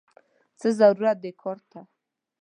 څه ضرورت دې کار ته!!